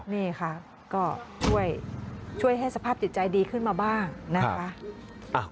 นี่ค่ะก็ช่วยให้สภาพจิตใจดีขึ้นมาบ้างนะคะ